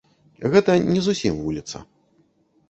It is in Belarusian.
Гэта не зусім вуліца.